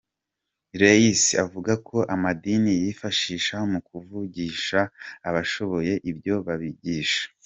Reiss avuga ko amadini yifashisha mu kumvisha abayoboke ibyo babigisha.